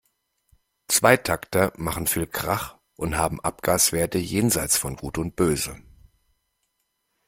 Zweitakter machen viel Krach und haben Abgaswerte jenseits von Gut und Böse.